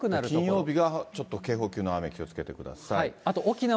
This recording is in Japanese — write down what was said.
金曜日がちょっと警報級の雨、気をつけてください。